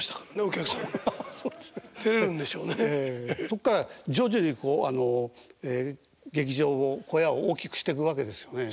そっから徐々にこう劇場を小屋を大きくしてくわけですよね。